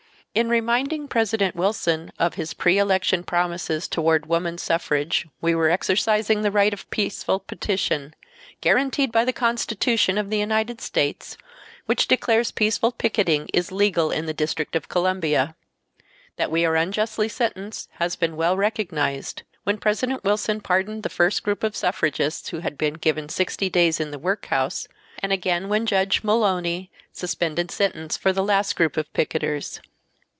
In reminding President Wilson of his pre election promises toward woman suffrage we were exercising the right of peaceful petition, guaranteed by the Constitution of the United States, which declares peaceful picketing is legal in the District of Columbia. That we are unjustly sentenced has been well recognized—when President Wilson pardoned the first group of suffragists who had been given sixty days in the workhouse, and again when Judge Mullowny suspended sentence for the last group of picketers.